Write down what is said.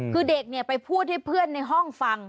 คือเด็กไปพูดให้เพื่อนในห้องฟัง